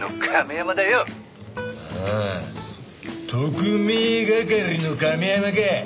ああ特命係の亀山か！